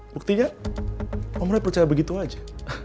buktinya om ray percaya begitu aja